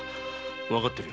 わかってる。